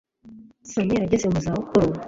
samweli ageze mu zabukuru